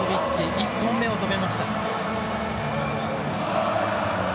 １本目を止めました。